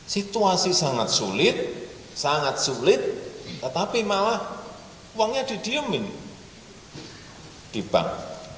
situasi sangat sulit sangat sulit tetapi malah uangnya didiemin di bank